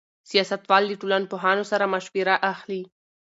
سیاستوال له ټولنپوهانو څخه مشوره اخلي.